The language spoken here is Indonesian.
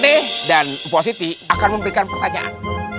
pade dan upositi akan memberikan pertanyaan